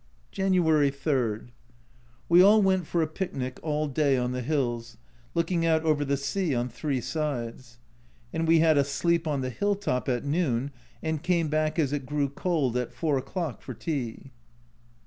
January 3. We all went for a picnic all day on the hills, looking out over the sea on three sides : and we had a sleep on the hill top at noon, and came back as it grew cold at 4 o'clock for tea.